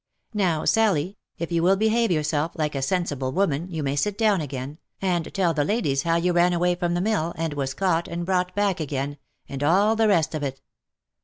Now, Sally, if you will behave yourself like a sensible woman, you may sit down again, and tell the ladies how you ran away from the mill, and was caught and brought back again, and all the rest of it."